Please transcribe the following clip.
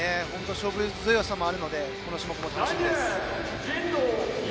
勝負強さもあるのでこの種目も楽しみです。